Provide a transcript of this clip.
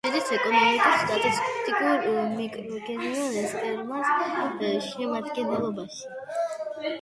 შედის ეკონომიკურ-სტატისტიკურ მიკრორეგიონ ესპერანსას შემადგენლობაში.